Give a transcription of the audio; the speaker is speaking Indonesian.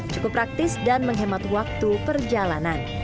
cukup praktis dan menghemat waktu perjalanan